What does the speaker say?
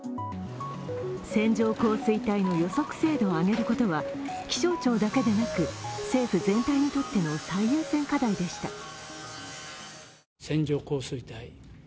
線状降水帯の予測精度を上げることは気象庁だけでなく、政府全体にとっての最優先課題でした。